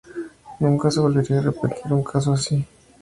Nunca se volvería a repetir un caso así.